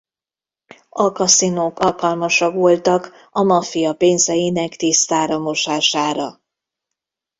A kaszinók alkalmasak voltak a maffia pénzeinek tisztára mosására.